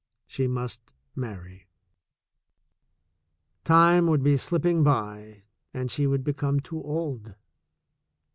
She must marry. Time would be slipping by and she would become too old.